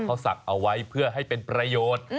เขาศักดิ์เอาไว้เพื่อให้เป็นประโยชน์